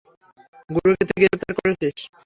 গুরুকে তুই গ্রেফতার করেছিস।